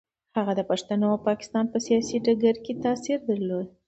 هغه د پښتنو او پاکستان په سیاسي ډګر کې تاثیر درلود.